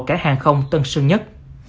cả hàng không tân sư nhất